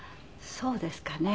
そうですかね。